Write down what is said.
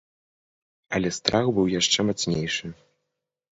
Але страх быў яшчэ мацнейшы.